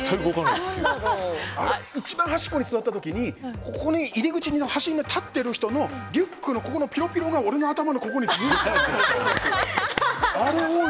一番端っこに座った時に入り口の端に立ってる人のリュックのピロピロが俺の頭にずっと当たってる。